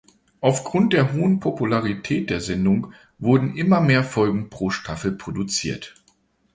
Aufgrund der hohen Popularität der Sendung wurden immer mehr Folgen pro Staffel produziert.